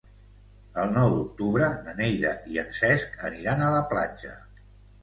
El nou d'octubre na Neida i en Cesc aniran a la platja.